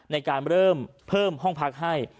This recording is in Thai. ในการเริ่มเพิ่มห้องพักให้